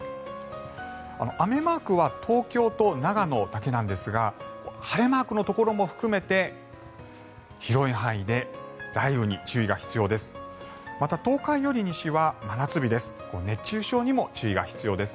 雨マークは東京と長野だけなんですが晴れマークのところも含めて広い範囲で雷雨に注意が必要です。